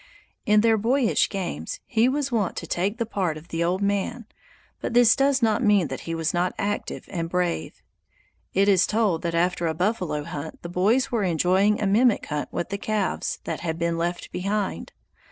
In their boyish games he was wont to take the part of the "old man", but this does not mean that he was not active and brave. It is told that after a buffalo hunt the boys were enjoying a mimic hunt with the calves that had been left behind.